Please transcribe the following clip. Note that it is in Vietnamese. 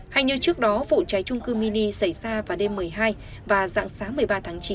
hay như trước đó vụ cháy trung cư mini xảy ra vào đêm một mươi hai và dạng sáng một mươi ba tháng chín